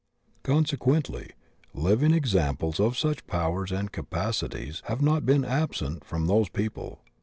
Conse quently, living examples of such powers and capacities have not been absent from those people.